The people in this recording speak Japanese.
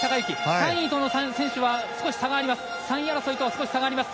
３位との選手とは差があります。